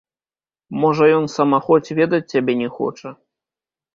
Можа ён самахоць ведаць цябе не хоча?